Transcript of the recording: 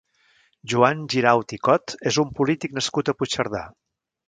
Joan Giraut i Cot és un polític nascut a Puigcerdà.